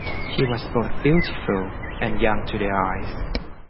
She was both beautiful and young to their eyes.